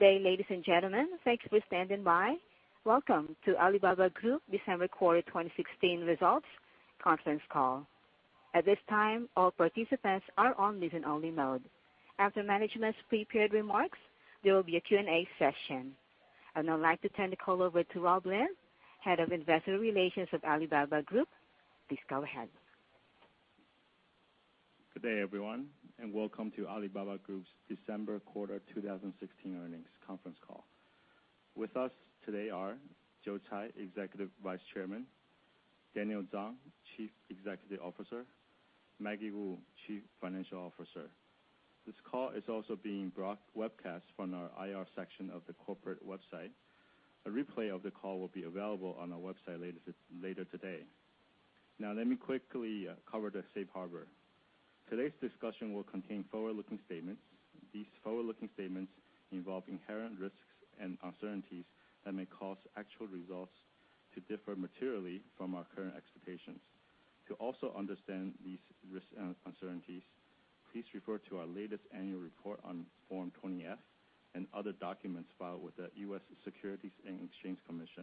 Good day, ladies and gentlemen. Thanks for standing by. Welcome to Alibaba Group December quarter 2016 results conference call. At this time, all participants are on listen-only mode. After management's prepared remarks, there will be a Q&A session. I'd like to turn the call over to Rob Lin, Head of Investor Relations of Alibaba Group. Please go ahead. Good day, everyone, welcome to Alibaba Group's December quarter 2016 earnings conference call. With us today are Joe Tsai, Executive Vice Chairman; Daniel Zhang, Chief Executive Officer; Maggie Wu, Chief Financial Officer. This call is also being webcast from our IR section of the corporate website. A replay of the call will be available on our website later today. Now, let me quickly cover the safe harbor. Today's discussion will contain forward-looking statements. These forward-looking statements involve inherent risks and uncertainties and they cause actual results to differ materially from our current expectations. To understand these risks and uncertainties, please refer to our latest annual report on Form 20-F and other documents filed with the U.S. Securities and Exchange Commission.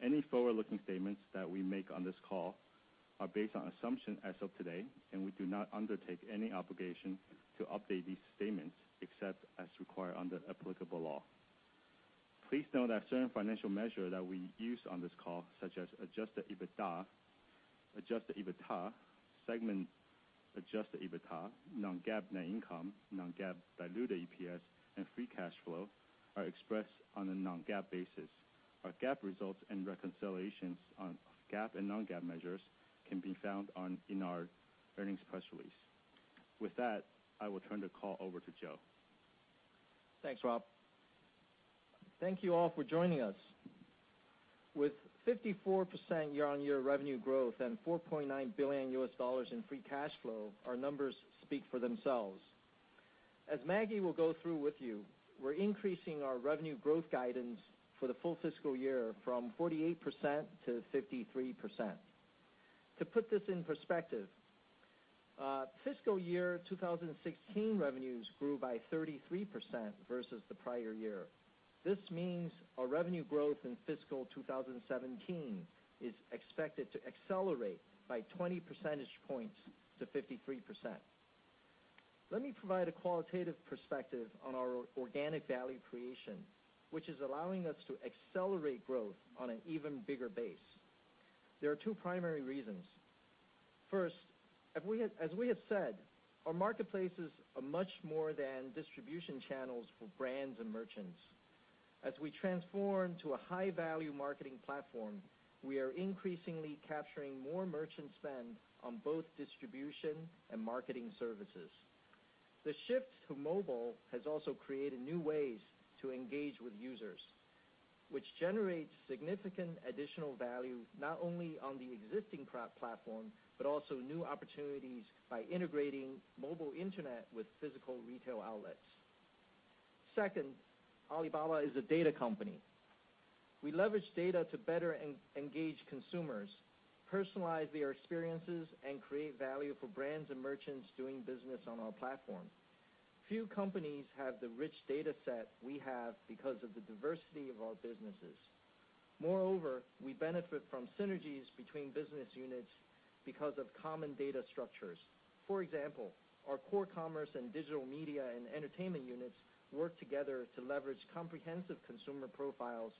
Any forward-looking statements that we make on this call are based on assumptions as of today, and we do not undertake any obligation to update these statements except as required under applicable law. Please note that certain financial measure that we use on this call, such as adjusted EBITDA, segment adjusted EBITDA, non-GAAP net income, non-GAAP diluted EPS, and free cash flow, are expressed on a non-GAAP basis. Our GAAP results and reconciliations on GAAP and non-GAAP measures can be found in our earnings press release. With that, I will turn the call over to Joe. Thanks, Rob. Thank you all for joining us. With 54% year-on-year revenue growth and $4.9 billion in free cash flow, our numbers speak for themselves. As Maggie will go through with you, we're increasing our revenue growth guidance for the full fiscal year from 48% to 53%. To put this in perspective, fiscal year 2016 revenues grew by 33% versus the prior year. This means our revenue growth in fiscal 2017 is expected to accelerate by 20 percentage points to 53%. Let me provide a qualitative perspective on our organic value creation, which is allowing us to accelerate growth on an even bigger base. There are two primary reasons. First, as we have said, our marketplaces are much more than distribution channels for brands and merchants. As we transform to a high-value marketing platform, we are increasingly capturing more merchant spend on both distribution and marketing services. The shift to mobile has also created new ways to engage with users, which generates significant additional value, not only on the existing platform, but also new opportunities by integrating mobile internet with physical retail outlets. Second, Alibaba is a data company. We leverage data to better engage consumers, personalize their experiences, and create value for brands and merchants doing business on our platform. Few companies have the rich dataset we have because of the diversity of our businesses. Moreover, we benefit from synergies between business units because of common data structures. For example, our Core Commerce and Digital Media and Entertainment units work together to leverage comprehensive consumer profiles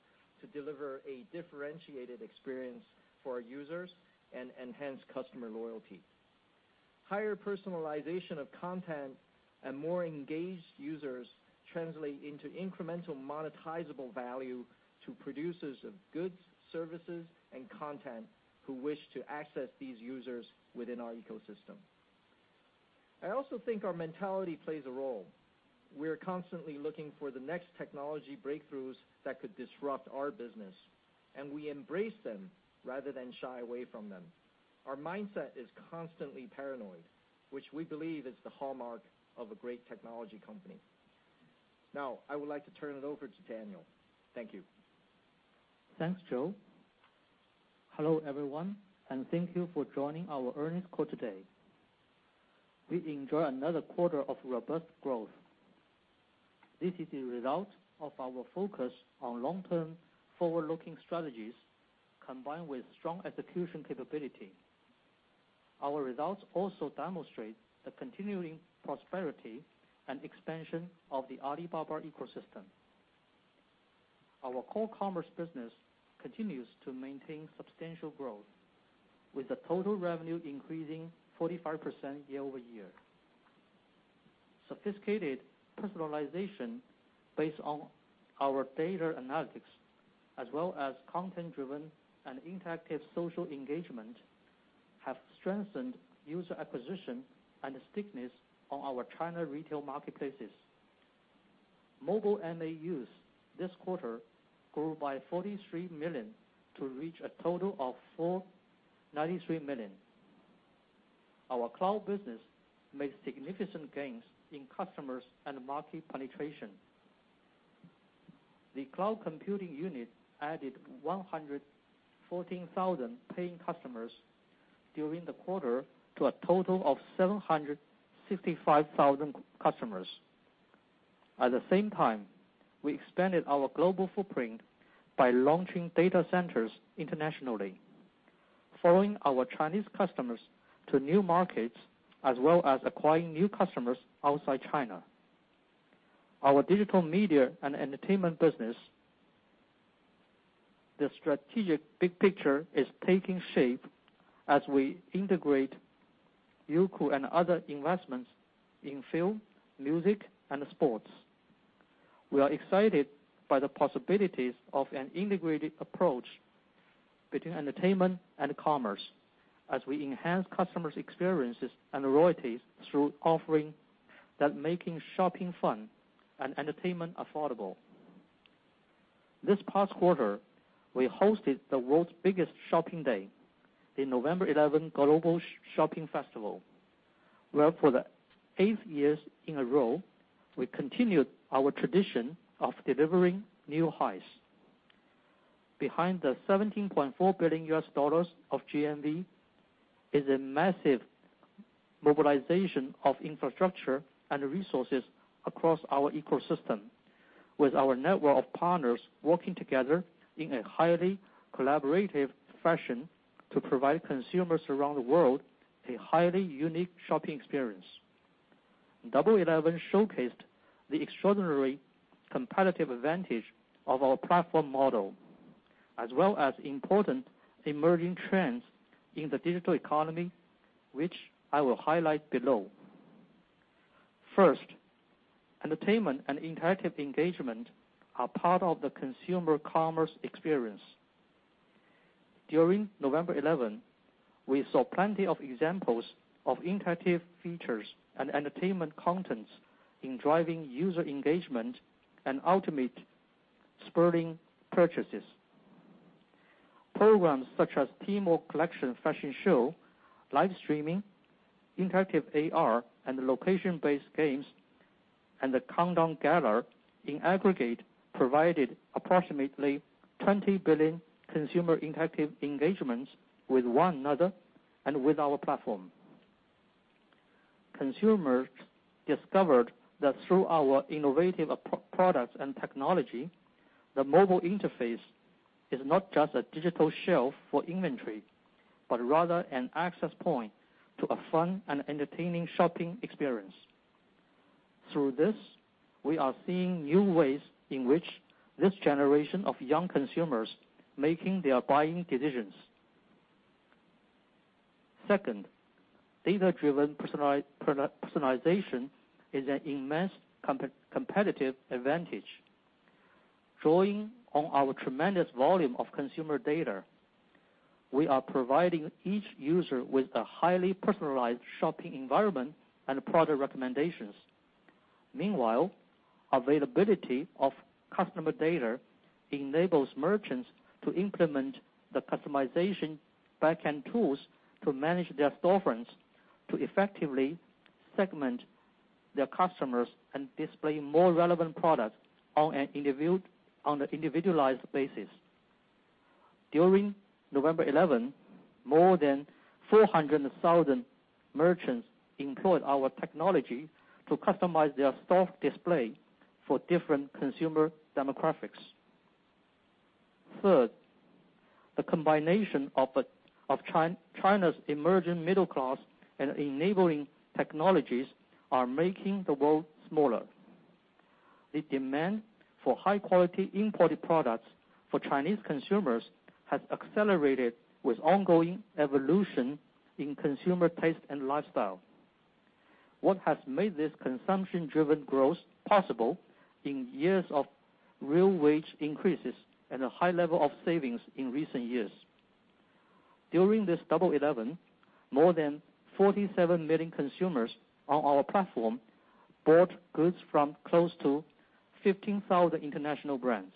to deliver a differentiated experience for our users and enhance customer loyalty. Higher personalization of content and more engaged users translate into incremental monetizable value to producers of goods, services, and content who wish to access these users within our ecosystem. I also think our mentality plays a role. We're constantly looking for the next technology breakthroughs that could disrupt our business, and we embrace them rather than shy away from them. Our mindset is constantly paranoid, which we believe is the hallmark of a great technology company. Now, I would like to turn it over to Daniel. Thank you. Thanks, Joe. Hello, everyone, and thank you for joining our earnings call today. We enjoy another quarter of robust growth. This is a result of our focus on long-term forward-looking strategies, combined with strong execution capability. Our results also demonstrate the continuing prosperity and expansion of the Alibaba ecosystem. Our Core Commerce business continues to maintain substantial growth, with the total revenue increasing 45% year-over-year. Sophisticated personalization based on our data analytics, as well as content-driven and interactive social engagement, have strengthened user acquisition and stickiness on our China retail marketplaces. Mobile MAUs this quarter grew by 43 million to reach a total of 493 million. Our cloud business made significant gains in customers and market penetration. The cloud computing unit added 114,000 paying customers during the quarter to a total of 765,000 customers. At the same time, we expanded our global footprint by launching data centers internationally, following our Chinese customers to new markets, as well as acquiring new customers outside China. Our digital media and entertainment business, the strategic big picture is taking shape as we integrate Youku and other investments in film, music, and sports. We are excited by the possibilities of an integrated approach between entertainment and commerce as we enhance customers' experiences and loyalties through offering that making shopping fun and entertainment affordable. This past quarter, we hosted the world's biggest shopping day, the 11.11 Global Shopping Festival, where for the eighth years in a row, we continued our tradition of delivering new highs. Behind the $17.4 billion of GMV is a massive mobilization of infrastructure and resources across our ecosystem with our network of partners working together in a highly collaborative fashion to provide consumers around the world a highly unique shopping experience. Double Eleven showcased the extraordinary competitive advantage of our platform model, as well as important emerging trends in the digital economy, which I will highlight below. First, entertainment and interactive engagement are part of the consumer commerce experience. During November 11, we saw plenty of examples of interactive features and entertainment contents in driving user engagement and ultimate spurring purchases. Programs such as Tmall Collection Fashion Show, live streaming, interactive AR, and location-based games, and the Countdown Gala, in aggregate, provided approximately 20 billion consumer interactive engagements with one another and with our platform. Consumers discovered that through our innovative products and technology, the mobile interface is not just a digital shelf for inventory, but rather an access point to a fun and entertaining shopping experience. Through this, we are seeing new ways in which this generation of young consumers making their buying decisions. Second, data-driven personalization is an immense competitive advantage. Drawing on our tremendous volume of consumer data, we are providing each user with a highly personalized shopping environment and product recommendations. Meanwhile, availability of customer data enables merchants to implement the customization backend tools to manage their storefronts to effectively segment their customers and display more relevant products on an individualized basis. During November 11, more than 400,000 merchants employed our technology to customize their store display for different consumer demographics. Third, the combination of China's emerging middle class and enabling technologies are making the world smaller. The demand for high-quality imported products for Chinese consumers has accelerated with ongoing evolution in consumer taste and lifestyle. What has made this consumption-driven growth possible in years of real wage increases and a high level of savings in recent years. During this Double Eleven, more than 47 million consumers on our platform bought goods from close to 15,000 international brands.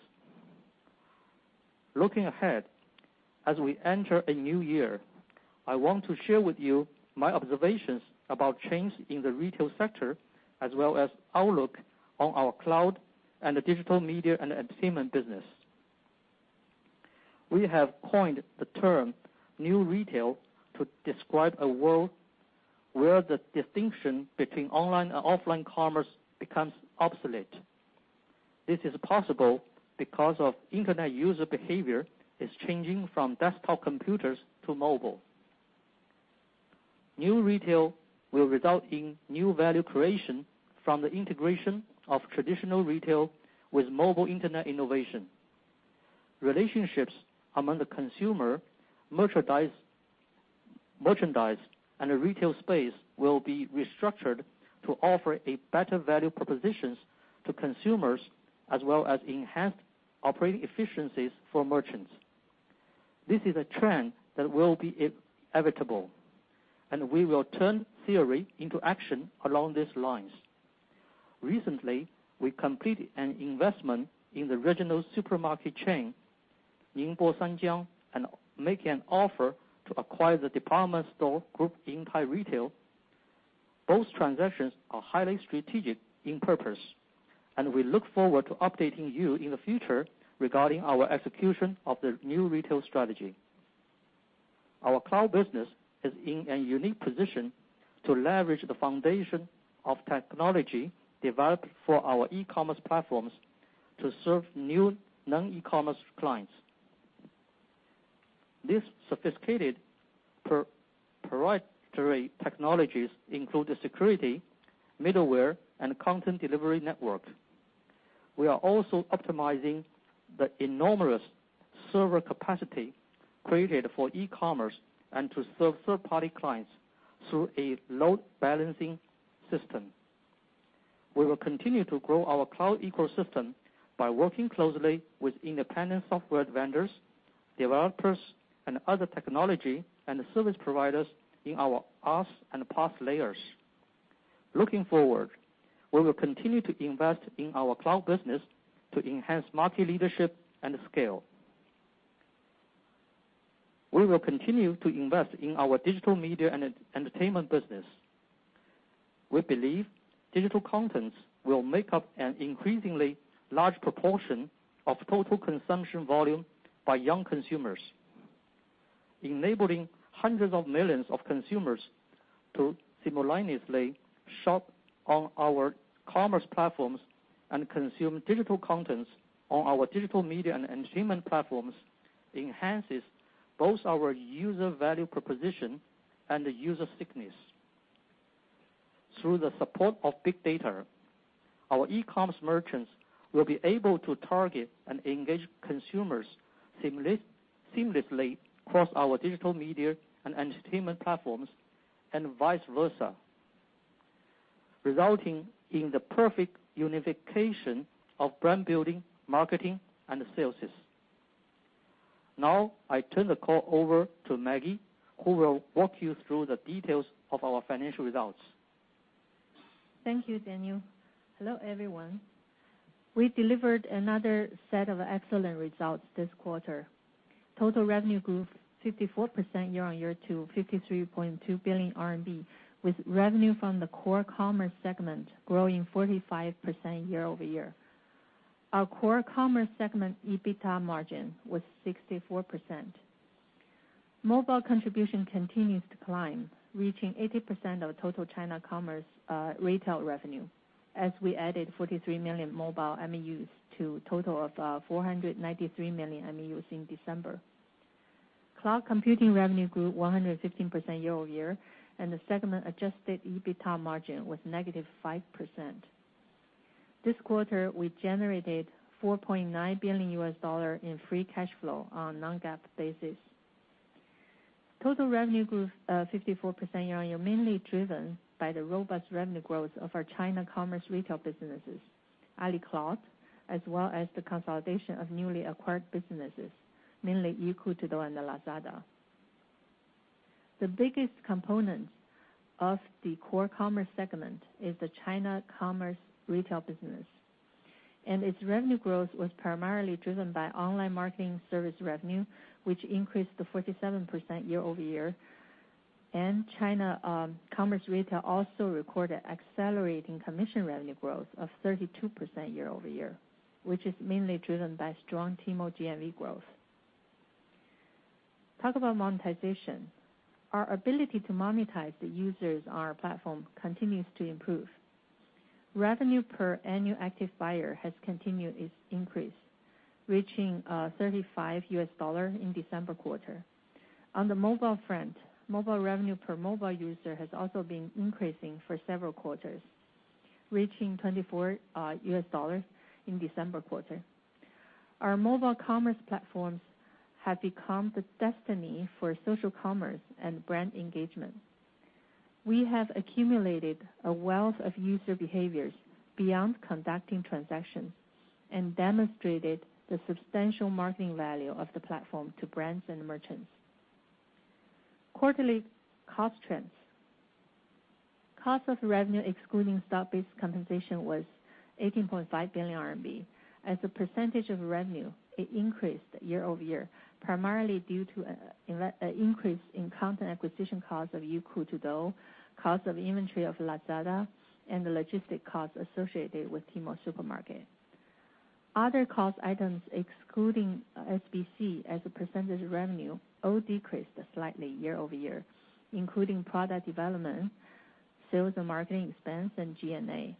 Looking ahead, as we enter a new year, I want to share with you my observations about change in the retail sector as well as outlook on our cloud and the digital media and entertainment business. We have coined the term New Retail to describe a world where the distinction between online and offline commerce becomes obsolete. This is possible because of Internet user behavior is changing from desktop computers to mobile. New Retail will result in new value creation from the integration of traditional retail with mobile Internet innovation. Relationships among the consumer, merchandise and the retail space will be restructured to offer a better value propositions to consumers, as well as enhanced operating efficiencies for merchants. This is a trend that will be inevitable, and we will turn theory into action along these lines. Recently, we completed an investment in the regional supermarket chain, Ningbo Sanjiang, and make an offer to acquire the department store group Intime Retail. Both transactions are highly strategic in purpose, and we look forward to updating you in the future regarding our execution of the New Retail strategy. Our cloud business is in a unique position to leverage the foundation of technology developed for our e-commerce platforms to serve new non-e-commerce clients. These sophisticated proprietary technologies include the security, middleware, and content delivery network. We are also optimizing the enormous server capacity created for e-commerce and to serve third-party clients through a load balancing system. We will continue to grow our cloud ecosystem by working closely with independent software vendors, developers, and other technology and service providers in our PaaS and the SaaS layers. Looking forward, we will continue to invest in our cloud business to enhance market leadership and scale. We will continue to invest in our digital media and entertainment business. We believe digital contents will make up an increasingly large proportion of total consumption volume by young consumers. Enabling hundreds of millions of consumers to simultaneously shop on our commerce platforms and consume digital contents on our digital media and entertainment platforms enhances both our user value proposition and user stickiness. Through the support of big data, our e-commerce merchants will be able to target and engage consumers seamlessly across our digital media and entertainment platforms and vice versa, resulting in the perfect unification of brand building, marketing, and sales. I turn the call over to Maggie, who will walk you through the details of our financial results. Thank you, Daniel. Hello, everyone. We delivered another set of excellent results this quarter. Total revenue grew 54% year-on-year to 53.2 billion RMB, with revenue from the core commerce segment growing 45% year-over-year. Our core commerce segment EBITDA margin was 64%. Mobile contribution continues to climb, reaching 80% of total China commerce retail revenue as we added 43 million mobile MAUs to a total of 493 million MAUs in December. Cloud computing revenue grew 115% year-over-year, and the segment adjusted EBITDA margin was -5%. This quarter, we generated $4.9 billion in free cash flow on non-GAAP basis. Total revenue grew 54% year-on-year, mainly driven by the robust revenue growth of our China commerce retail businesses, Ali Cloud, as well as the consolidation of newly acquired businesses, mainly Youku Tudou and Lazada. The biggest component of the core commerce segment is the China commerce retail business, its revenue growth was primarily driven by online marketing service revenue, which increased to 47% year-over-year. China commerce retail also recorded accelerating commission revenue growth of 32% year-over-year, which is mainly driven by strong Tmall GMV growth. Talk about monetization. Our ability to monetize the users on our platform continues to improve. Revenue per annual active buyer has continued its increase, reaching $35 in December quarter. On the mobile front, mobile revenue per mobile user has also been increasing for several quarters, reaching $24 in December quarter. Our mobile commerce platforms have become the destiny for social commerce and brand engagement. We have accumulated a wealth of user behaviors beyond conducting transactions and demonstrated the substantial marketing value of the platform to brands and merchants. Quarterly cost trends. Cost of revenue excluding stock-based compensation was 18.5 billion RMB. As a percentage of revenue, it increased year-over-year, primarily due to an increase in content acquisition cost of Youku Tudou, cost of inventory of Lazada, and the logistic costs associated with Tmall Supermarket. Other cost items excluding SBC as a percentage of revenue all decreased slightly year-over-year, including product development, sales and marketing expense, and G&A. The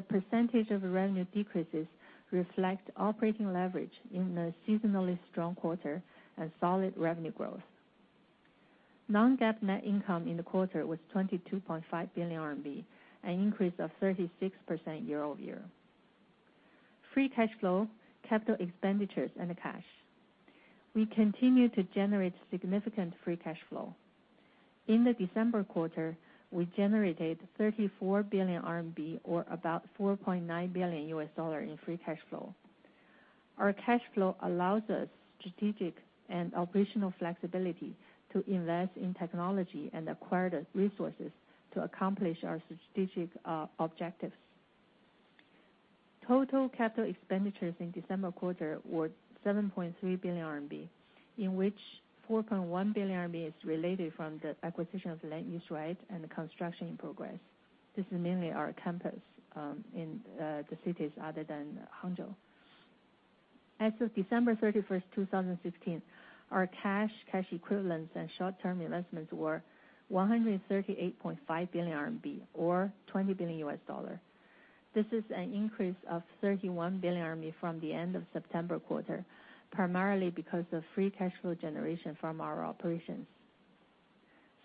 percentage of revenue decreases reflect operating leverage in a seasonally strong quarter and solid revenue growth. Non-GAAP net income in the quarter was 22.5 billion RMB, an increase of 36% year-over-year. Free cash flow, capital expenditures, and cash. We continue to generate significant free cash flow. In the December quarter, we generated 34 billion RMB or about $4.9 billion in free cash flow. Our cash flow allows us strategic and operational flexibility to invest in technology and acquire the resources to accomplish our strategic objectives. Total capital expenditures in December quarter were 7.3 billion RMB, in which 4.1 billion RMB is related from the acquisition of land use right and the construction in progress. This is mainly our campus in the cities other than Hangzhou. As of December 31st, 2015, our cash equivalents and short-term investments were 138.5 billion RMB, or $20 billion. This is an increase of 31 billion RMB from the end of September quarter, primarily because of free cash flow generation from our operations.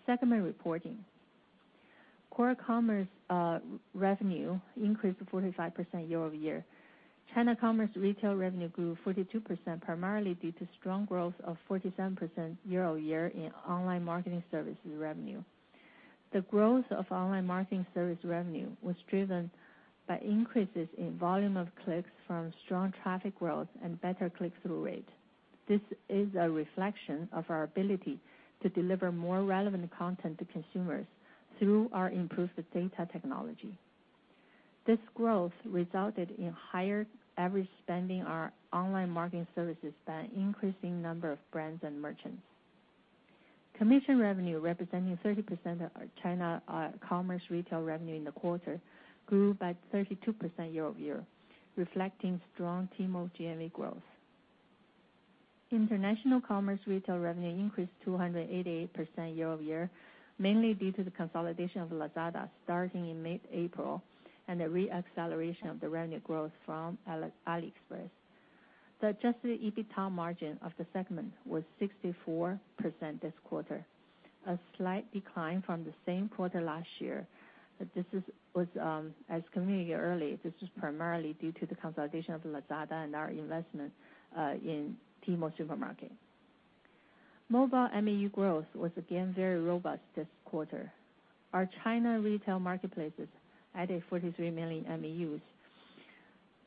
Segment reporting. Core commerce revenue increased 45% year-over-year. China commerce retail revenue grew 42%, primarily due to strong growth of 47% year-over-year in online marketing services revenue. The growth of online marketing service revenue was driven by increases in volume of clicks from strong traffic growth and better click-through rate. This is a reflection of our ability to deliver more relevant content to consumers through our improved data technology. This growth resulted in higher average spending our online marketing services by an increasing number of brands and merchants. Commission revenue representing 30% of our China commerce retail revenue in the quarter grew by 32% year-over-year, reflecting strong Tmall GMV growth. International commerce retail revenue increased 288% year-over-year, mainly due to the consolidation of Lazada starting in mid-April and the re-acceleration of the revenue growth from AliExpress. The adjusted EBITDA margin of the segment was 64% this quarter, a slight decline from the same quarter last year. This was, as communicated earlier, this is primarily due to the consolidation of Lazada and our investment in Tmall Supermarket. Mobile MAU growth was again very robust this quarter. Our China retail marketplaces added 43 million MAUs.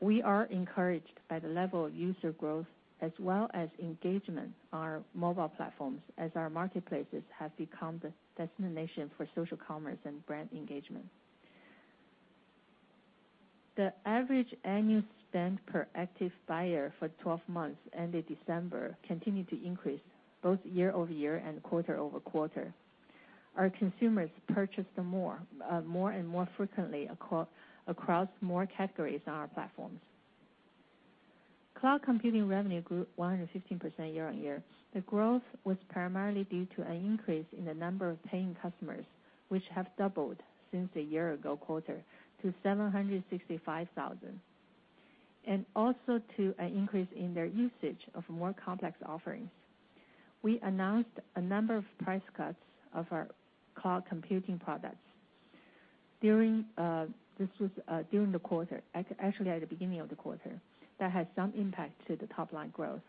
We are encouraged by the level of user growth as well as engagement on our mobile platforms, as our marketplaces have become the destination for social commerce and brand engagement. The average annual spend per active buyer for 12 months ended December continued to increase both year-over-year and quarter-over-quarter. Our consumers purchased more and more frequently across more categories on our platforms. Cloud computing revenue grew 115% year-on-year. The growth was primarily due to an increase in the number of paying customers, which have doubled since a year ago quarter to 765,000, and also to an increase in their usage of more complex offerings. We announced a number of price cuts of our cloud computing products during the quarter, actually at the beginning of the quarter. That had some impact to the top line growth.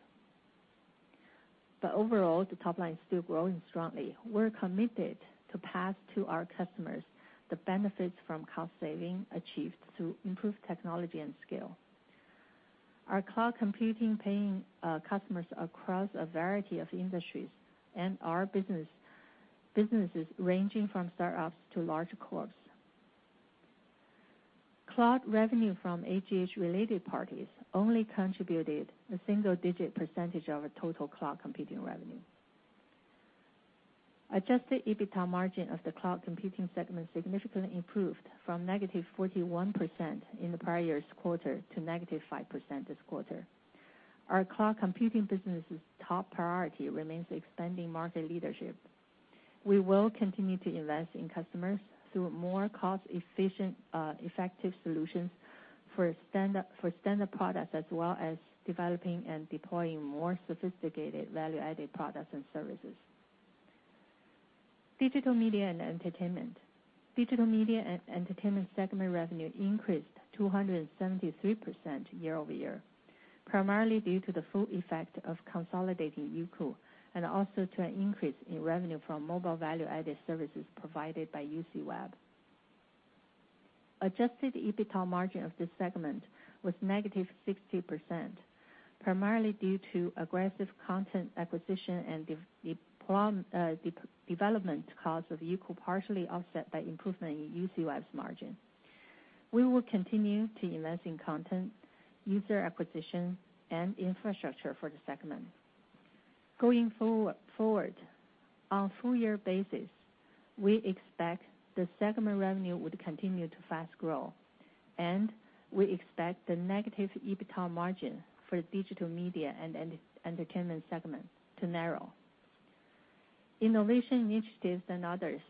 Overall, the top line is still growing strongly. We're committed to pass to our customers the benefits from cost saving achieved through improved technology and scale. Our cloud computing paying customers across a variety of industries and our businesses ranging from startups to large corps. Cloud revenue from related parties only contributed a single digit percentage of our total cloud computing revenue. Adjusted EBITDA margin of the cloud computing segment significantly improved from -41% in the prior year's quarter to -5% this quarter. Our cloud computing business's top priority remains expanding market leadership. We will continue to invest in customers through more cost efficient, effective solutions for standard products as well as developing and deploying more sophisticated value-added products and services. Digital media and entertainment. Digital media and entertainment segment revenue increased 273% year-over-year, primarily due to the full effect of consolidating Youku and also to an increase in revenue from mobile value-added services provided by UCWeb. Adjusted EBITDA margin of this segment was -60%, primarily due to aggressive content acquisition and development costs of Youku partially offset by improvement in UCWeb's margin. We will continue to invest in content, user acquisition, and infrastructure for the segment. Going forward, on full-year basis, we expect the segment revenue would continue to fast grow, and we expect the negative EBITDA margin for Digital Media and Entertainment segment to narrow. Innovation Initiatives and Others.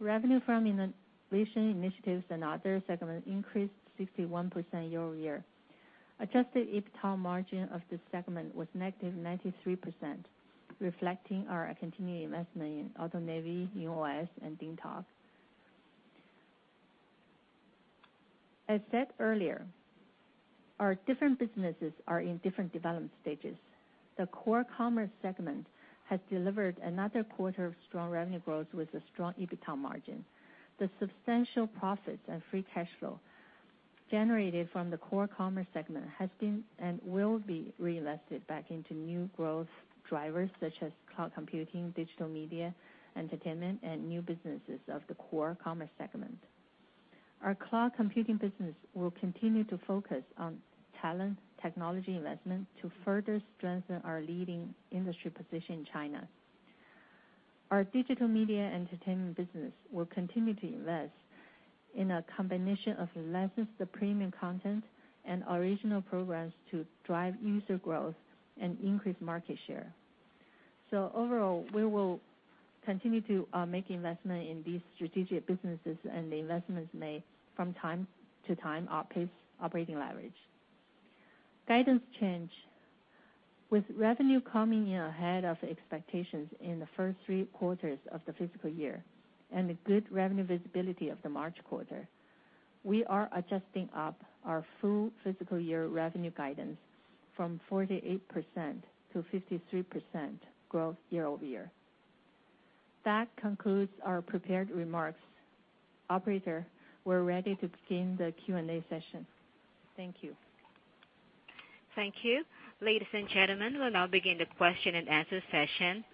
Revenue from Innovation Initiatives and Others segment increased 61% year-over-year. Adjusted EBITDA margin of this segment was -93%, reflecting our continuing investment in AutoNavi, YunOS, and DingTalk. As said earlier, our different businesses are in different development stages. The Core Commerce segment has delivered another quarter of strong revenue growth with a strong EBITDA margin. The substantial profits and free cash flow generated from the Core Commerce segment has been and will be reinvested back into new growth drivers such as Cloud Computing, Digital Media and Entertainment, and new businesses of the Core Commerce segment. Our Cloud Computing business will continue to focus on talent, technology investment to further strengthen our leading industry position in China. Our Digital Media and Entertainment business will continue to invest in a combination of licensed premium content and original programs to drive user growth and increase market share. Overall, we will continue to make investment in these strategic businesses, and the investments made from time to time outpace operating leverage. Guidance change. With revenue coming in ahead of expectations in the first three quarters of the fiscal year and the good revenue visibility of the March quarter, we are adjusting up our full fiscal year revenue guidance from 48% to 53% growth year-over-year. That concludes our prepared remarks. Operator, we're ready to begin the Q&A session. Thank you. Thank you. Ladies and gentlemen, we'll now begin the question-and-answer session.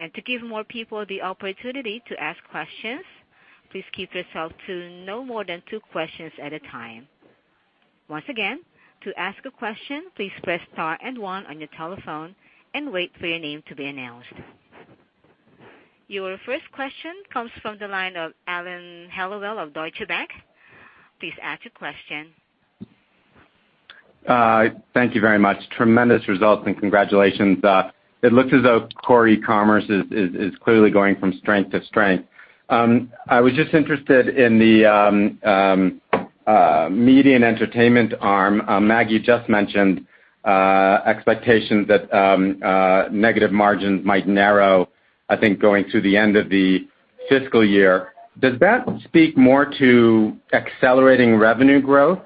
Your first question comes from the line of Alan Hellawell of Deutsche Bank. Please ask your question. Thank you very much. Tremendous results, and congratulations. It looks as though Core E-commerce is clearly going from strength to strength. I was just interested in the media and entertainment arm. Maggie just mentioned expectations that negative margins might narrow, I think, going through the end of the fiscal year. Does that speak more to accelerating revenue growth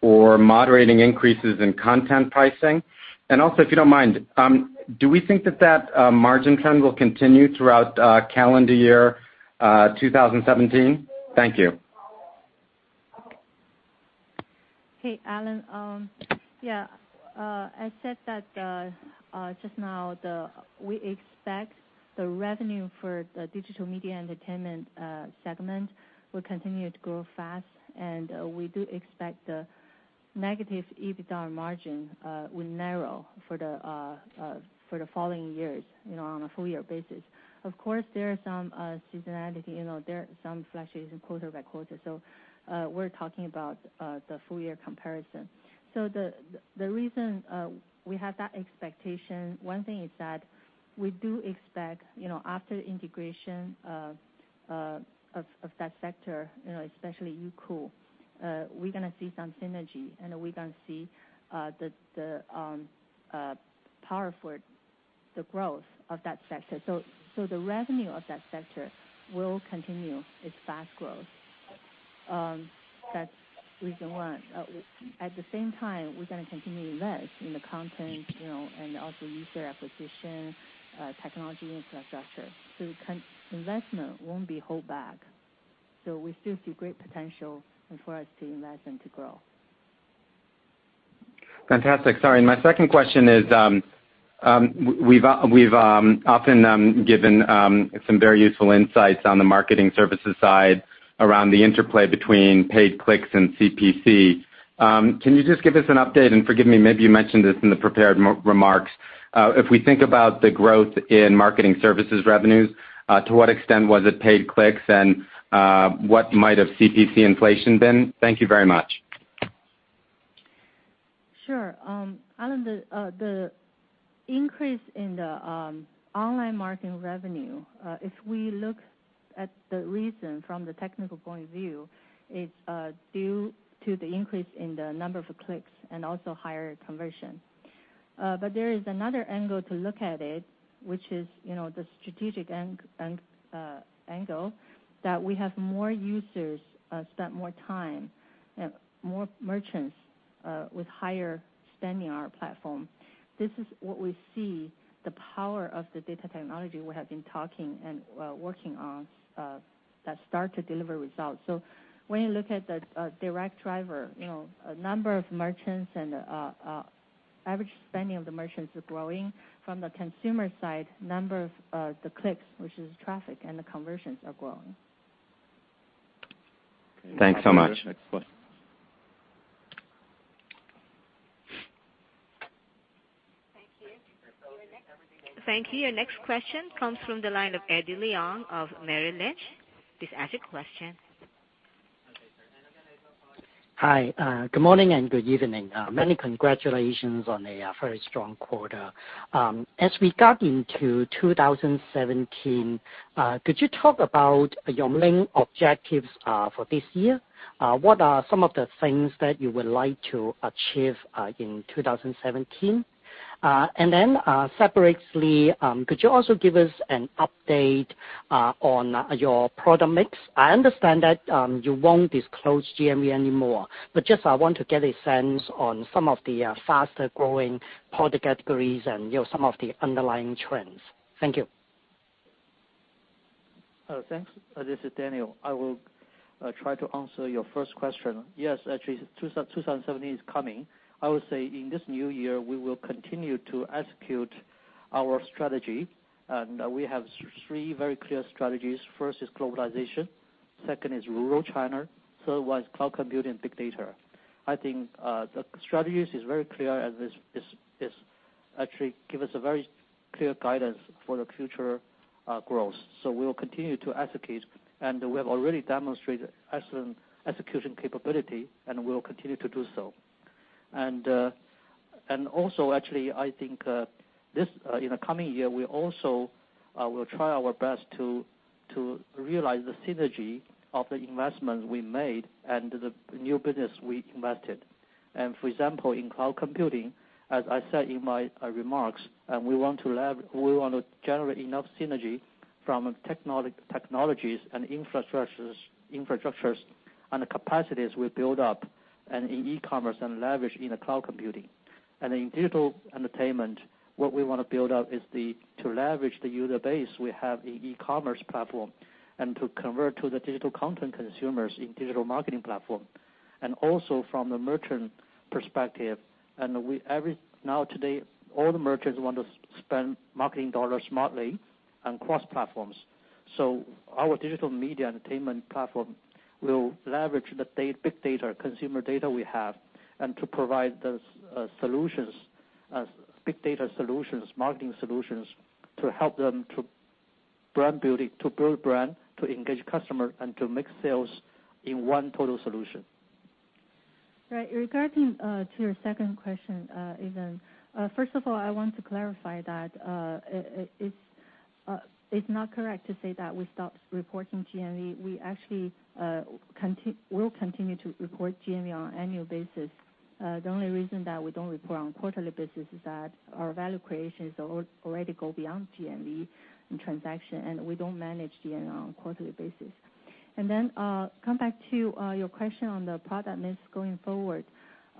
or moderating increases in content pricing? Also, if you don't mind, do we think that margin trend will continue throughout calendar year 2017? Thank you. Hey, Alan Hellawell. I said that just now. We expect the revenue for the digital media entertainment segment will continue to grow fast, and we do expect the negative EBITDA margin will narrow for the following years, you know, on a full-year basis. Of course, there are some seasonality, you know, there are some flashes quarter-by-quarter. We're talking about the full-year comparison. The reason we have that expectation, one thing is that we do expect, you know, after integration of that sector, you know, especially Youku, we're gonna see some synergy, and we're gonna see the power for the growth of that sector. The revenue of that sector will continue its fast growth. That's reason one. At the same time, we're gonna continue to invest in the content, you know, and also user acquisition, technology infrastructure. Investment won't be held back. We still see great potential for us to invest and to grow. Fantastic. Sorry. My second question is, we've often given some very useful insights on the marketing services side around the interplay between paid clicks and CPC. Can you just give us an update? And forgive me, maybe you mentioned this in the prepared remarks. If we think about the growth in marketing services revenues, to what extent was it paid clicks, and what might have CPC inflation been? Thank you very much. Sure. Alan, the increase in the online marketing revenue, if we look at the reason from the technical point of view, it's due to the increase in the number of clicks and also higher conversion. There is another angle to look at it, which is, you know, the strategic angle that we have more users, spend more time and more merchants, with higher spend in our platform. This is what we see the power of the data technology we have been talking and working on that start to deliver results. When you look at the direct driver, you know, number of merchants and average spending of the merchants are growing. From the consumer side, number of the clicks, which is traffic, and the conversions are growing. Thanks so much. Thank you. Your next question comes from the line of Eddie Leung of Merrill Lynch. Please ask your question. Hi. Good morning and good evening. Many congratulations on a very strong quarter. As regarding to 2017, could you talk about your main objectives for this year? What are some of the things that you would like to achieve in 2017? Separately, could you also give us an update on your product mix? I understand that you won't disclose GMV anymore, but just I want to get a sense on some of the faster-growing product categories and, you know, some of the underlying trends. Thank you. Thanks. This is Daniel. I will try to answer your first question. Yes, actually, 2017 is coming. I would say in this new year, we will continue to execute our strategy, and we have three very clear strategies. First is globalization, second is rural China, third one is cloud computing, big data. I think the strategies is very clear and this is actually give us a very clear guidance for the future growth. We'll continue to execute, and we have already demonstrated excellent execution capability, and we'll continue to do so. Also, actually, I think this in the coming year, we also will try our best to realize the synergy of the investments we made and the new business we invested. For example, in cloud computing, as I said in my remarks, we want to generate enough synergy from technologies and infrastructures and the capacities we build up in e-commerce and leverage in cloud computing. In digital entertainment, what we wanna build up is to leverage the user base we have in e-commerce platform and to convert to the digital content consumers in digital marketing platform. From the merchant perspective, Now today, all the merchants want to spend marketing dollars smartly and cross-platforms. Our digital media entertainment platform will leverage big data, consumer data we have, and to provide solutions, big data solutions, marketing solutions to help them to brand building, to build brand, to engage customer, and to make sales in one total solution. Right. Regarding to your second question, Leung, first of all, I want to clarify that it's not correct to say that we stopped reporting GMV. We actually will continue to report GMV on annual basis. The only reason that we don't report on quarterly basis is that our value creation is already go beyond GMV in transaction, we don't manage GMV on quarterly basis. Come back to your question on the product mix going forward.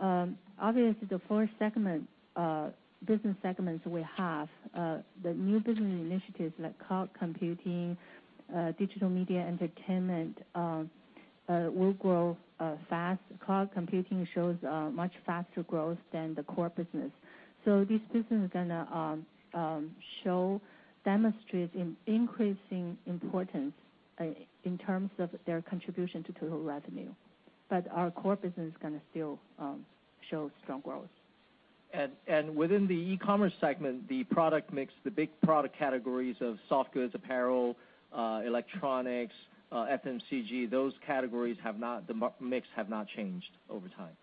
Obviously the four segment business segments we have, the new business initiatives like cloud computing, digital media entertainment, will grow fast. Cloud computing shows much faster growth than the core business. This business is gonna show, demonstrate in increasing importance in terms of their contribution to total revenue. Our core business is gonna still show strong growth. within the e-commerce segment, the product mix, the big product categories of soft goods, apparel, electronics, FMCG, those categories have not, the mix have not changed over time.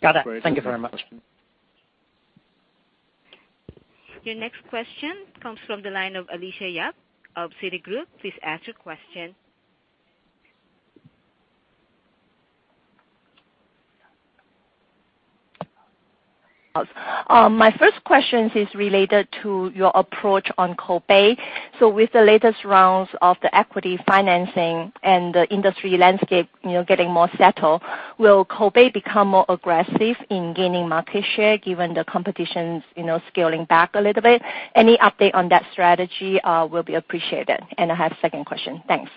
Got it. Thank you very much. Your next question comes from the line of Alicia Yap of Citigroup. Please ask your question. My first question is related to your approach on Koubei. With the latest rounds of the equity financing and the industry landscape, you know, getting more settled, will Koubei become more aggressive in gaining market share given the competition's, you know, scaling back a little bit? Any update on that strategy will be appreciated. I have second question. Thanks.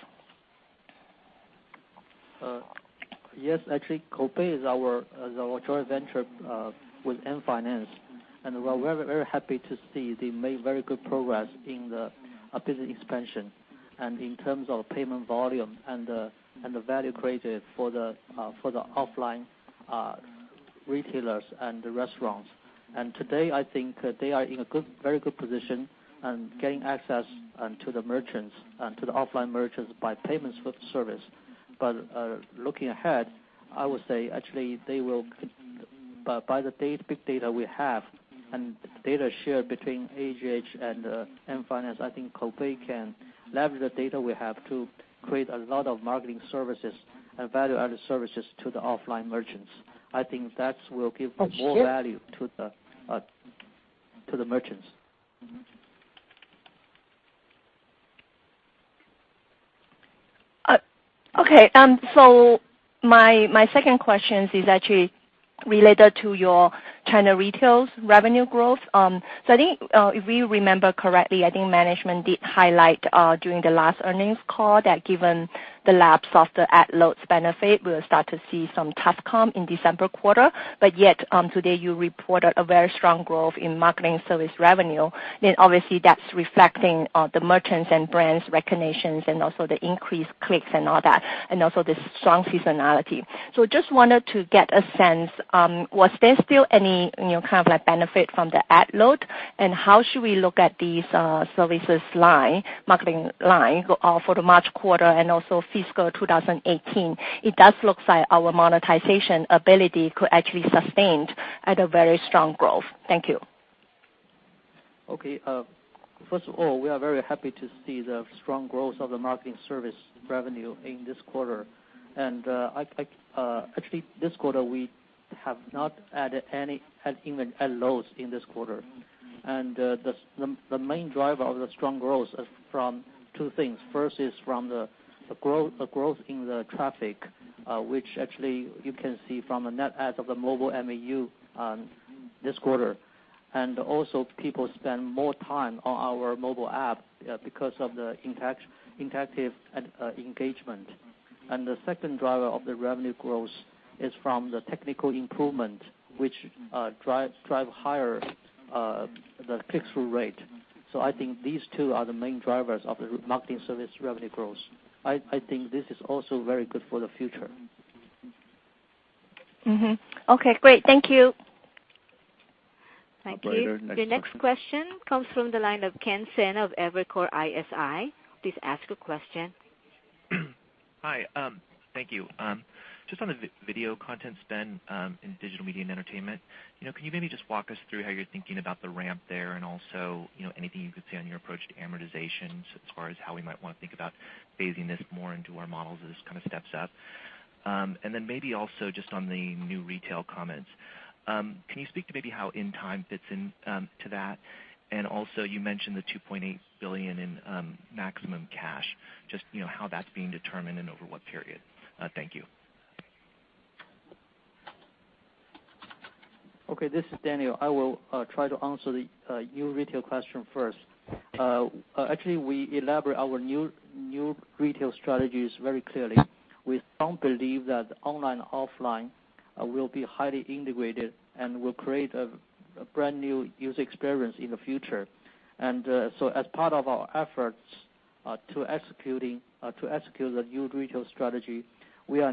Yes. Actually, Koubei is our joint venture with Ant Financial. We're very happy to see they made very good progress in the business expansion and in terms of payment volume and the value created for the offline retailers and the restaurants. Today, I think, they are in a very good position and gaining access to the merchants and to the offline merchants by payments with service. Looking ahead, I would say actually they will by the big data we have and data shared between AGH and Ant Financial, I think Koubei can leverage the data we have to create a lot of marketing services and value-added services to the offline merchants. I think that will give more value to the merchants. Okay. My second question is actually related to your China retail revenue growth. I think, if we remember correctly, I think management did highlight during the last earnings call that given the lapse of the ad load benefit, we'll start to see some tough comp in December quarter. Today you reported a very strong growth in marketing service revenue. Obviously that's reflecting the merchants and brands recognition and also the increased clicks and all that, and also the strong seasonality. Just wanted to get a sense, was there still any, you know, kind of like benefit from the ad load? How should we look at these services line, marketing line, for the March quarter and also fiscal 2018? It does looks like our monetization ability could actually sustained at a very strong growth. Thank you. Okay. First of all, we are very happy to see the strong growth of the marketing service revenue in this quarter. Like, actually this quarter we have not had even ad loads in this quarter. The main driver of the strong growth is from two things. First is from the growth in the traffic, which actually you can see from the net adds of the mobile MAU this quarter. Also people spend more time on our mobile app because of the interactive engagement. The second driver of the revenue growth is from the technical improvement, which drive higher the click-through rate. I think these two are the main drivers of the marketing service revenue growth. I think this is also very good for the future. Okay, great. Thank you. Thank you. The next question comes from the line of Ken Sena of Evercore ISI. Please ask your question. Hi, thank you. Just on the video content spend, in digital media and entertainment, you know, can you maybe just walk us through how you're thinking about the ramp there and also, you know, anything you could say on your approach to amortization as far as how we might wanna think about phasing this more into our models as this kind of steps up? Then maybe also just on the New Retail comments, can you speak to maybe how Intime fits in to that? Also you mentioned the 2.8 billion in maximum cash, just, you know, how that's being determined and over what period. Thank you. Okay, this is Daniel. I will try to answer the New Retail question first. Actually, we elaborate our New Retail strategies very clearly. We strong believe that online, offline, will be highly integrated and will create a brand new user experience in the future. So as part of our efforts to execute the New Retail strategy, we are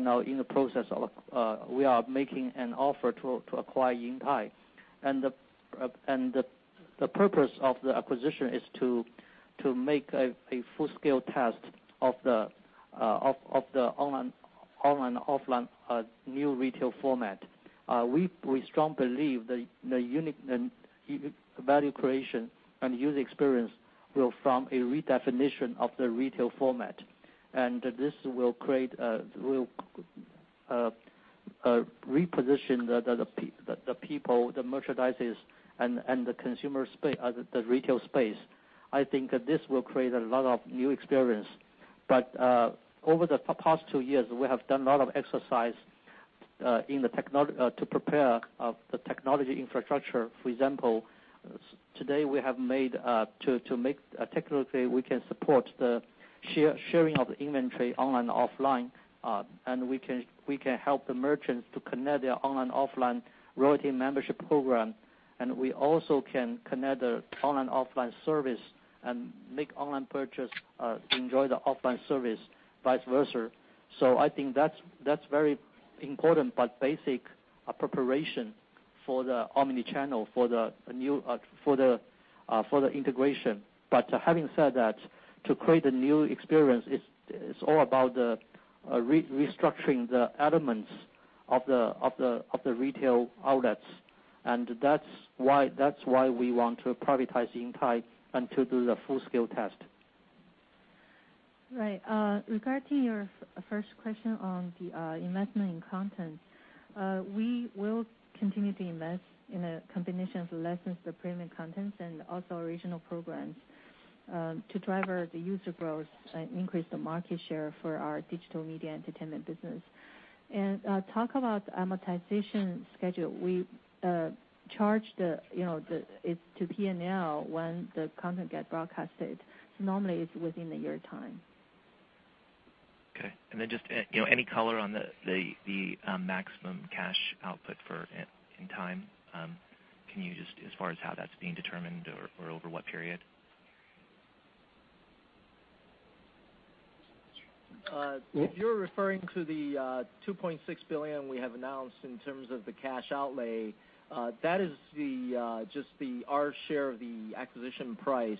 making an offer to acquire Intime. The purpose of the acquisition is to make a full-scale test of the online, offline New Retail format. We strong believe the unique and value creation and user experience will form a redefinition of the retail format. This will create, will reposition the people, the merchandises and the consumer retail space. I think this will create a lot of new experience. Over the past two years, we have done a lot of exercise to prepare the technology infrastructure. For example, today, we have made to make technically, we can support the sharing of the inventory online, offline, and we can help the merchants to connect their online, offline loyalty membership program. We also can connect the online, offline service and make online purchase enjoy the offline service, vice versa. I think that's very important, but basic preparation for the omni channel for the new for the integration. Having said that, to create a new experience, it's all about the restructuring the elements of the retail outlets. That's why we want to privatize Intime and to do the full-scale test. Right. Regarding your first question on the investment in content, we will continue to invest in a combination of licensed and premium contents and also original programs to driver the user growth and increase the market share for our digital media entertainment business. Talk about amortization schedule, we charge the, you know, it's to P&L when the content get broadcasted. Normally it's within a year time. Okay. Just, you know, any color on the, the, maximum cash output for Intime, can you just as far as how that's being determined or over what period? Uh- If you're referring to the 2.6 billion we have announced in terms of the cash outlay, that is just the our share of the acquisition price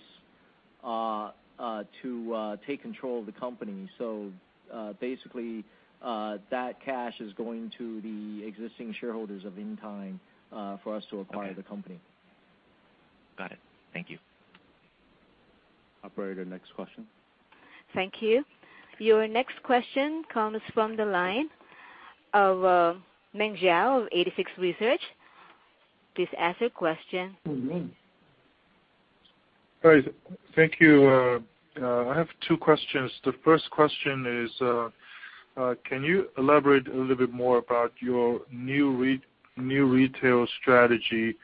to take control of the company. Basically, that cash is going to the existing shareholders of Intime, for us to acquire the company. Okay. Got it. Thank you. Operator, next question. Thank you. Your next question comes from the line of Ming Zhao of 86Research. Please ask your question. All right. Thank you. I have two questions. The 1st question is, can you elaborate a little bit more about your New Retail strategy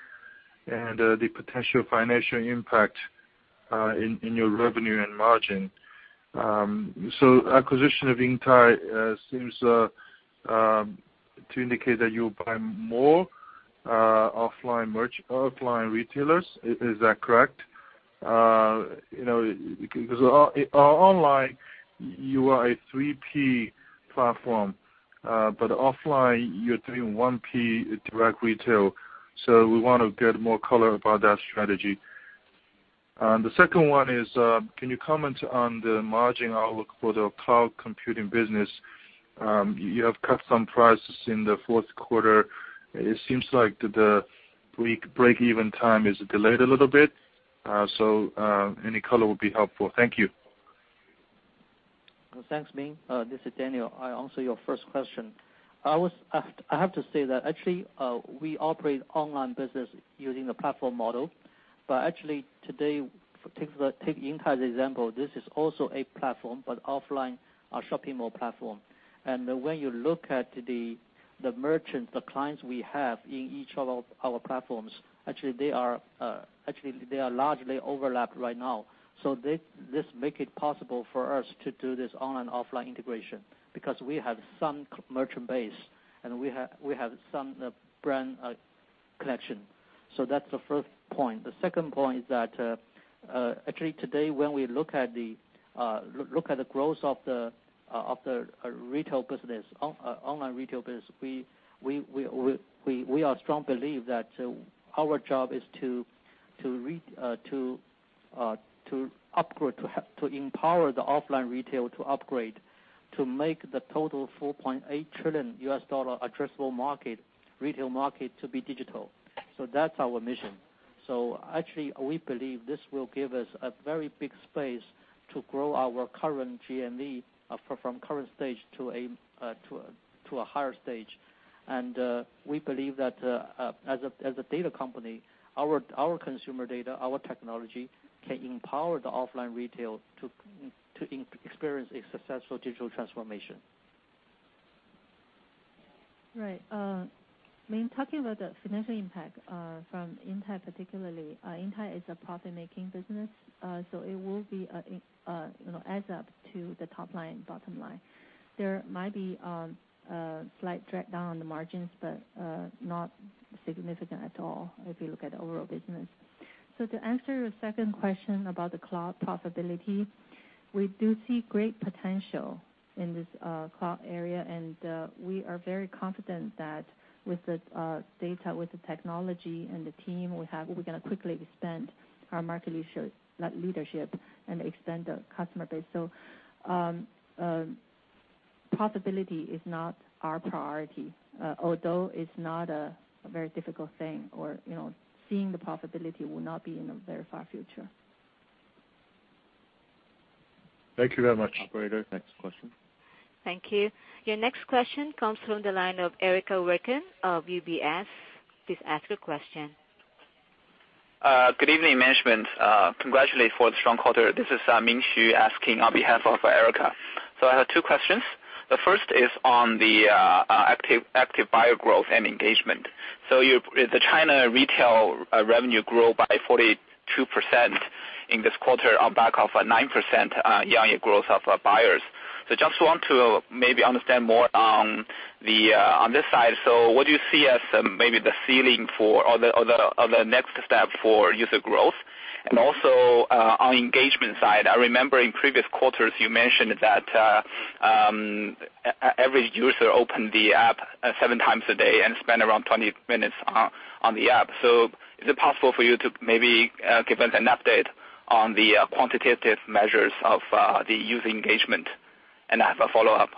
and the potential financial impact in your revenue and margin? Acquisition of Intime seems to indicate that you'll buy more offline retailers. Is that correct? You know, because online, you are a 3P platform, but offline you're doing 1P direct retail. We want to get more color about that strategy. The second one is, can you comment on the margin outlook for the cloud computing business? You have cut some prices in the fourth quarter. It seems like the break-even time is delayed a little bit, so any color would be helpful. Thank you. Thanks, Ming. This is Daniel. I answer your first question. I have to say that actually, we operate online business using the platform model. Actually today, for take Intime's example, this is also a platform, but offline, our shopping mall platform. When you look at the merchants, the clients we have in each of our platforms, actually they are largely overlapped right now. This make it possible for us to do this online, offline integration because we have some merchant base, and we have some brand connection. That's the first point. The second point is that, actually today, when we look at the growth of the retail business, online retail business, we are strong believe that our job is to upgrade, to empower the offline retail to upgrade, to make the total $4.8 trillion addressable market, retail market to be digital. That's our mission. Actually, we believe this will give us a very big space to grow our current GMV from current stage to a higher stage. We believe that as a data company, our consumer data, our technology can empower the offline retail to experience a successful digital transformation. Right. I mean, talking about the financial impact from Intime particularly, Intime is a profit-making business. It will be in, you know, adds up to the top line, bottom line. There might be a slight drag down on the margins, but not significant at all if you look at the overall business. To answer your second question about the cloud profitability, we do see great potential in this cloud area, and we are very confident that with the data, with the technology and the team we have, we're going to quickly extend our market leadership and extend the customer base. Profitability is not our priority, although it's not a very difficult thing or, you know, seeing the profitability will not be in the very far future. Thank you very much. Operator, next question. Thank you. Your next question comes from the line of Erica Werkun of UBS. Please ask your question. Good evening, management. Congratulate for the strong quarter. This is Ming Xu asking on behalf of Erica. I have two questions. The first is on the active buyer growth and engagement. Your China retail revenue grew by 42% in this quarter on back of a 9% year-on-year growth of buyers. Just want to maybe understand more on this side. What do you see as maybe the ceiling for or the next step for user growth? Also, on engagement side, I remember in previous quarters you mentioned that every user opened the app seven times a day and spent around 20 minutes on the app. Is it possible for you to maybe give us an update on the quantitative measures of the user engagement? I have a follow-up.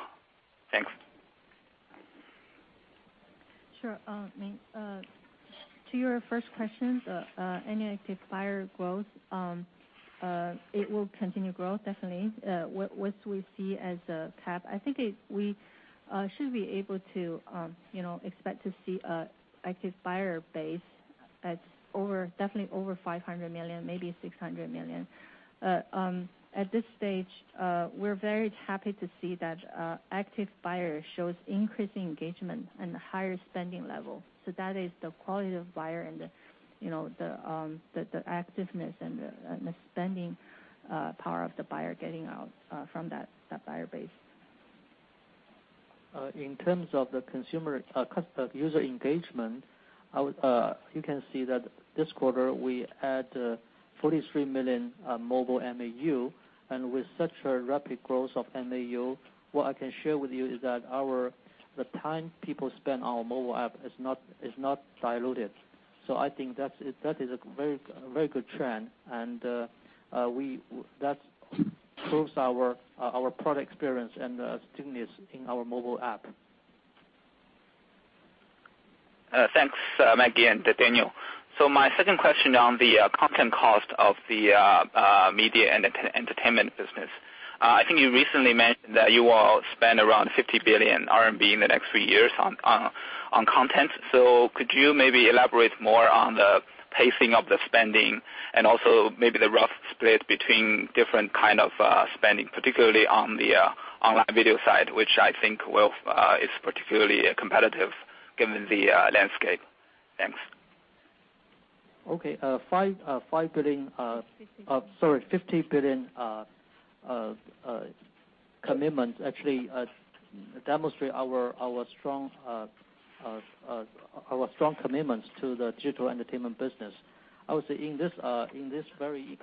Thanks. Sure. Ming, to your first question, the annual active buyer growth, it will continue growth definitely. What we see as a cap, I think we should be able to, you know, expect to see a active buyer base that's over, definitely over 500 million, maybe 600 million. At this stage, we're very happy to see that active buyer shows increasing engagement and higher spending level. That is the quality of buyer and the, you know, the activeness and the spending power of the buyer getting out from that buyer base. In terms of the consumer user engagement, you can see that this quarter we add 43 million mobile MAU. With such a rapid growth of MAU, what I can share with you is that the time people spend on mobile app is not diluted. I think that is a very good trend. That proves our product experience and stickiness in our mobile app. Thanks, Maggie and Daniel. My second question on the content cost of the media and entertainment business. I think you recently mentioned that you will spend around 50 billion RMB in the next three years on content. Could you maybe elaborate more on the pacing of the spending and also maybe the rough split between different kind of, spending, particularly on the online video side, which I think is particularly competitive given the landscape? Thanks. Okay. 5 billion. 50 billion. Sorry, 50 billion commitment actually demonstrate our strong commitments to the digital entertainment business. I would say in this very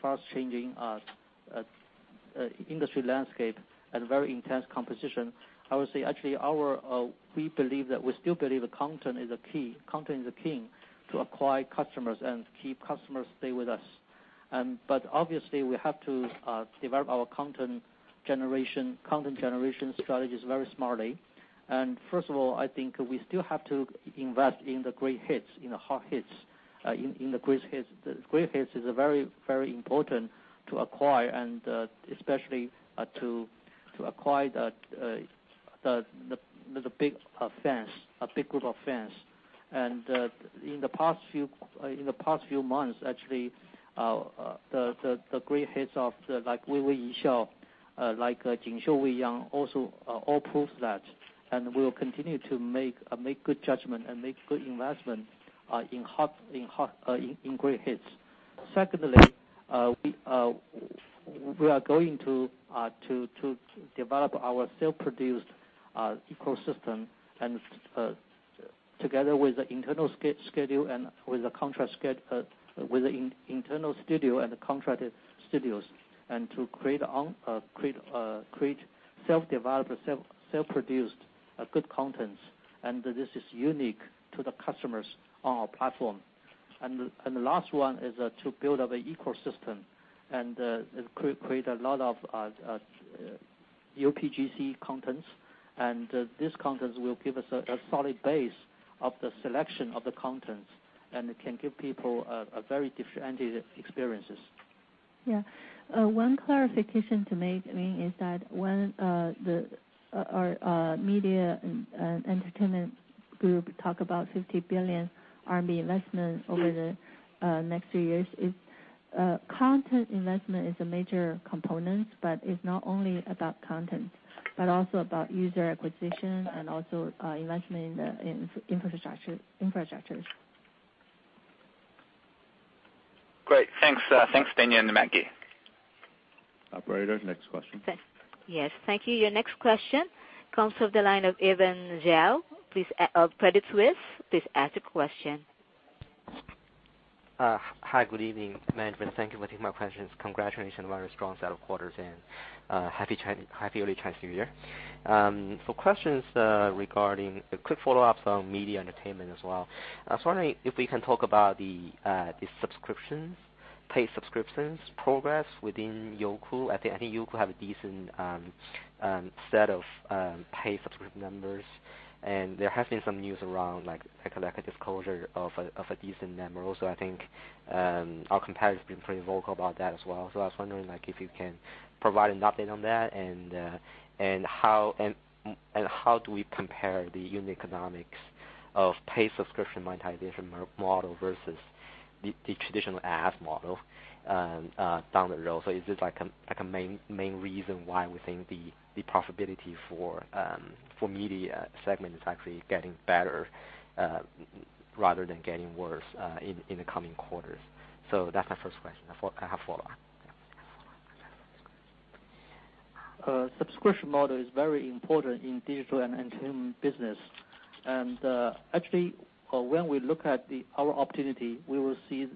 fast-changing industry landscape and very intense competition, I would say actually our, we believe that, we still believe the content is a key, content is a king to acquire customers and keep customers stay with us. But obviously, we have to develop our content generation strategies very smartly. First of all, I think we still have to invest in the great hits, you know, hot hits, in the great hits. The great hits is a very important to acquire and especially to acquire the big fans, a big group of fans. In the past few months, actually, the great hits of the like Wei Wei Yi Xiao, like Jin Xiu Wei Yang also, all proves that. We will continue to make good judgment and make good investment in hot, in great hits. Secondly, we are going to develop our self-produced ecosystem and together with the internal schedule and with the internal studio and the contracted studios, and to create self-developed, self-produced good contents. This is unique to the customers on our platform. The last one is to build up a ecosystem and it create a lot of PUGC contents. This contents will give us a solid base of the selection of the contents, it can give people a very different experiences. Yeah. One clarification to make, Ming, is that when our media and entertainment group talk about 50 billion RMB investment over the next three years, content investment is a major component, but it's not only about content, but also about user acquisition and also investment in infrastructures. Great. Thanks, thanks Daniel and Maggie. Operator, next question. Yes. Thank you. Your next question comes from the line of Evan Zhou of Credit Suisse. Please ask your question. Hi. Good evening, management. Thank you for taking my questions. Congratulations on a very strong set of quarters and happy early Chinese New Year. For questions, regarding the quick follow-ups on media entertainment as well, I was wondering if we can talk about the paid subscriptions progress within Youku. I think Youku have a decent set of paid subscription numbers, and there has been some news around like a collective disclosure of a decent number also. I think our competitors have been pretty vocal about that as well. I was wondering like if you can provide an update on that and how do we compare the unit economics of paid subscription monetization model versus the traditional ad model down the road? Is this like a main reason why we think the profitability for media segment is actually getting better rather than getting worse in the coming quarters? That's my first question. I have follow-up. Yeah. Subscription model is very important in digital and entertainment business. Actually, when we look at our opportunity, we will see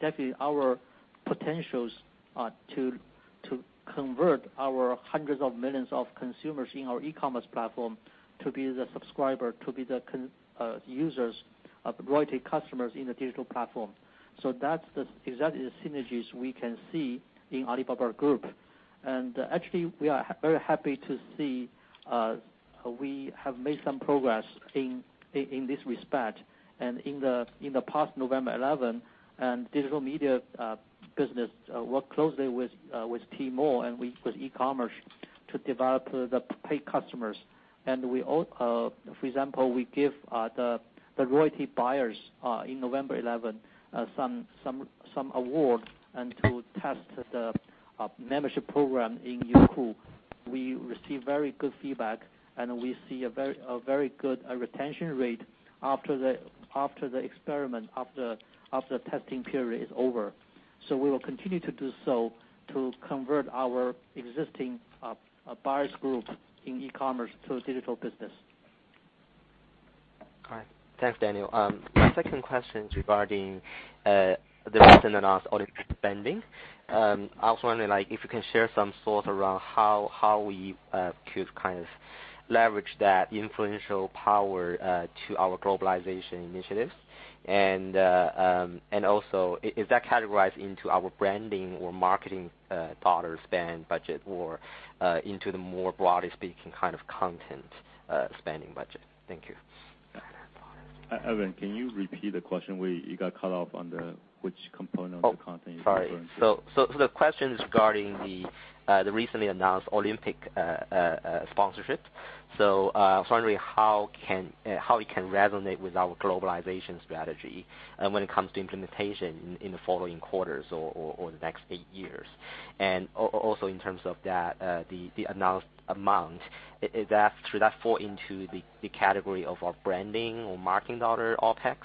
definitely our potentials to convert our hundreds of millions of consumers in our E-commerce platform to be the subscriber, to be the users, loyalty customers in the digital platform. That's exactly the synergies we can see in Alibaba Group. We are very happy to see we have made some progress in this respect. In the past November 11, digital media business worked closely with Tmall and with E-commerce to develop the paid customers. For example, we give the loyalty buyers in November 11 some award and to test the membership program in Youku. We receive very good feedback, and we see a very good retention rate after the experiment, after the testing period is over. We will continue to do so to convert our existing buyers group in e-commerce to digital business. All right. Thanks, Daniel. My second question is regarding the recently announced Olympic spending. I was wondering, like if you can share some thoughts around how we could kind of leverage that influential power to our globalization initiatives. Is that categorized into our branding or marketing dollar spend budget or into the more broadly speaking kind of content spending budget? Thank you. Evan, can you repeat the question? You got cut off on the which component of the content you're referring to. Oh, sorry. So the question is regarding the recently announced Olympic sponsorship. I was wondering how it can resonate with our globalization strategy when it comes to implementation in the following quarters or the next 8 years. Also in terms of that the announced amount, should that fall into the category of our branding or marketing dollar OpEx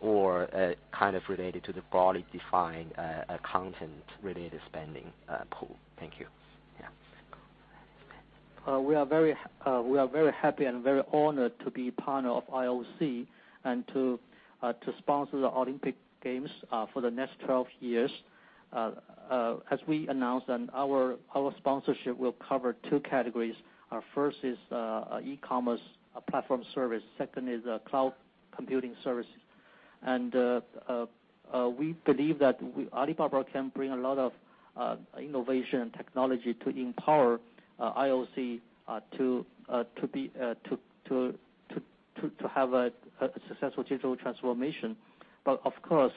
or kind of related to the broadly defined content related spending pool? Thank you. We are very happy and very honored to be partner of IOC and to sponsor the Olympic Games for the next 12 years. As we announced, our sponsorship will cover two categories. First is e-commerce platform service. Second is cloud computing services. We believe that Alibaba can bring a lot of innovation and technology to empower IOC to have a successful digital transformation. Of course,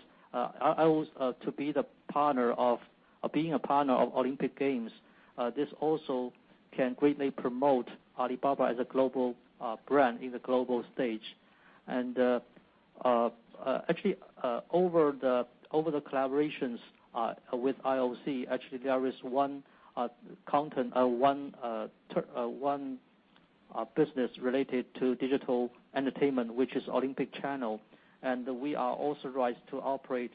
being a partner of Olympic Games, this also can greatly promote Alibaba as a global brand in the global stage. Actually, over the collaborations with IOC, actually there is one content, one business related to digital entertainment, which is Olympic Channel. We are authorized to operate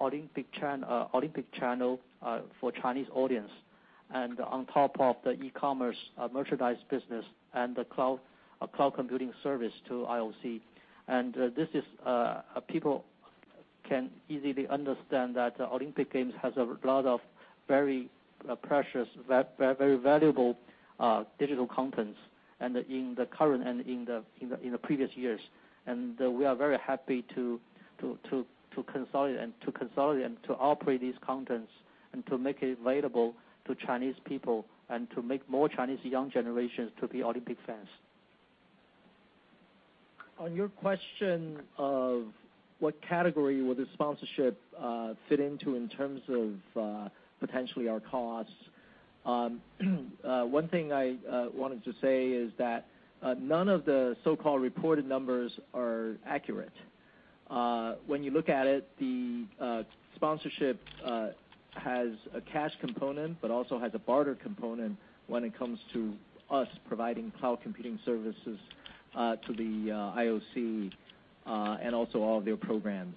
Olympic Channel for Chinese audience. On top of the E-commerce Merchandise business and the Cloud Computing Service to IOC. People can easily understand that Olympic Games has a lot of very precious, very valuable digital contents in the current and in the previous years. We are very happy to consolidate and to operate these contents and to make it available to Chinese people, and to make more Chinese young generations to be Olympic fans. On your question of what category would the sponsorship fit into in terms of potentially our costs, one thing I wanted to say is that none of the so-called reported numbers are accurate. When you look at it, the sponsorship has a cash component, but also has a barter component when it comes to us providing cloud computing services to the IOC and also all of their programs.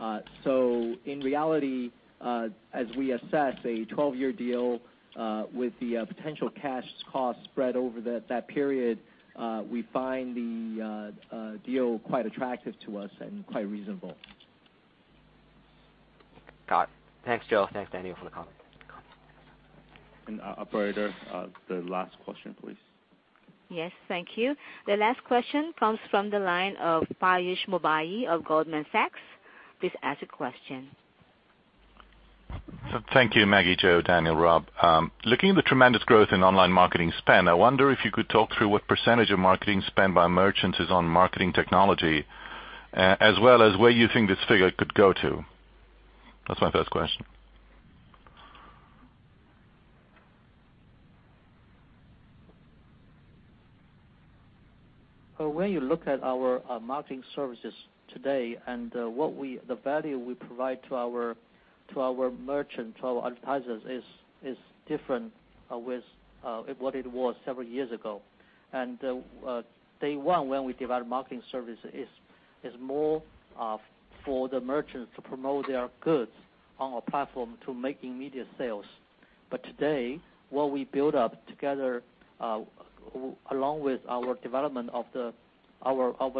In reality, as we assess a 12-year deal with the potential cash cost spread over that period, we find the deal quite attractive to us and quite reasonable. Got it. Thanks, Joe. Thanks, Daniel, for the comment. Operator, the last question, please. Yes. Thank you. The last question comes from the line of Piyush Mubayi of Goldman Sachs. Please ask your question. Thank you, Maggie, Joe, Daniel, Rob. Looking at the tremendous growth in online marketing spend, I wonder if you could talk through what percentage of marketing spend by merchants is on marketing technology, as well as where you think this figure could go to. That's my first question. When you look at our marketing services today and the value we provide to our, to our merchant, to our advertisers is different with what it was several years ago. Day one, when we developed marketing service is more for the merchants to promote their goods on our platform to making media sales. Today, what we build up together along with our development of the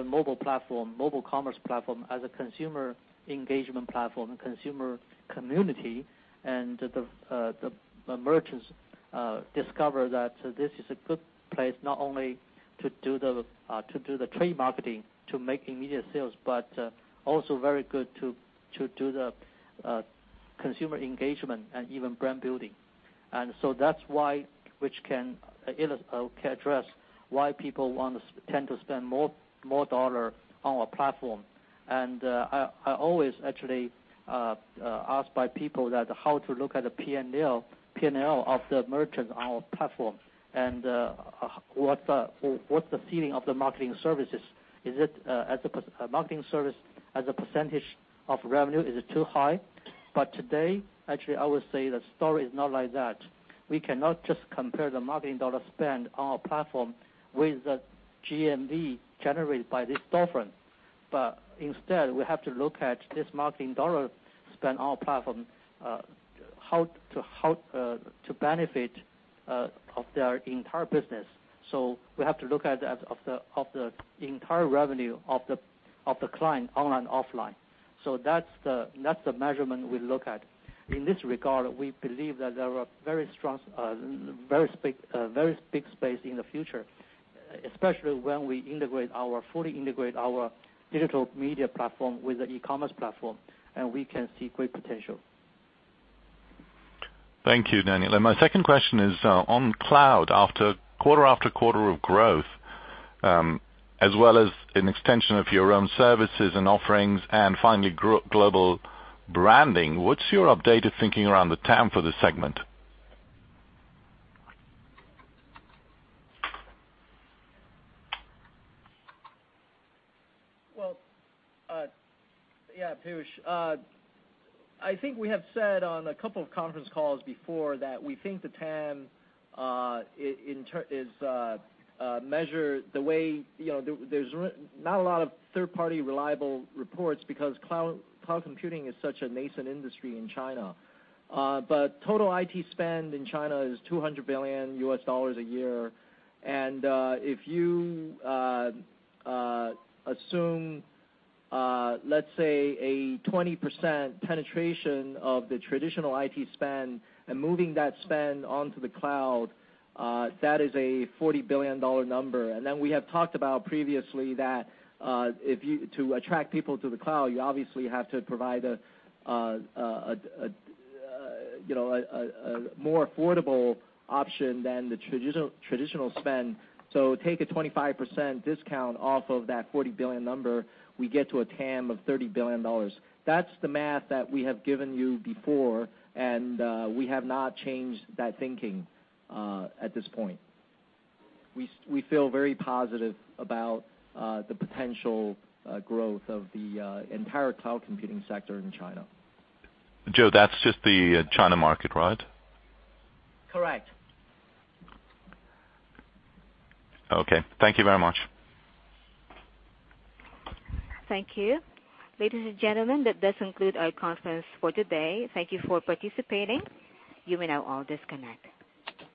mobile platform, mobile commerce platform as a consumer engagement platform, consumer community, and the merchants discover that this is a good place not only to do the trade marketing, to make immediate sales, but also very good to do the consumer engagement and even brand building. That's why, which can address why people want to tend to spend more dollar on our platform. I always actually asked by people that how to look at the P&L of the merchant on our platform, what the feeling of the marketing services. Is it as a marketing service, as a percentage of revenue, is it too high? Today, actually, I would say the story is not like that. We cannot just compare the marketing dollar spend on our platform with the GMV generated by this storefront. Instead, we have to look at this marketing dollar spent on our platform, how to benefit of their entire business. We have to look at as of the entire revenue of the client online, offline. That's the measurement we look at. In this regard, we believe that there are very strong, very big space in the future, especially when we fully integrate our digital media platform with the e-commerce platform, and we can see great potential. Thank you, Daniel. My second question is on Cloud. After quarter-after-quarter of growth, as well as an extension of your own services and offerings, and finally global branding, what's your updated thinking around the TAM for this segment? Well, yeah, Piyush. I think we have said on a couple of conference calls before that we think the TAM is measured the way You know, there's not a lot of third-party reliable reports because cloud computing is such a nascent industry in China. Total IT spend in China is $200 billion a year, and if you assume, let's say a 20% penetration of the traditional IT spend and moving that spend onto the cloud, that is a $40 billion number. We have talked about previously that if you To attract people to the cloud, you obviously have to provide a, you know, a more affordable option than the traditional spend. Take a 25% discount off of that 40 billion number, we get to a TAM of CNY 30 billion. That's the math that we have given you before, we have not changed that thinking at this point. We feel very positive about the potential growth of the entire cloud computing sector in China. Joe, that's just the China market, right? Correct. Okay. Thank you very much. Thank you. Ladies and gentlemen, that does conclude our conference for today. Thank you for participating. You may now all disconnect.